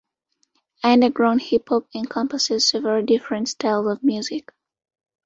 Underground hip-hop encompasses several different styles of music.